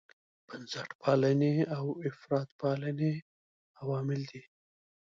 بنسټپالنې او افراطپالنې عوامل دي.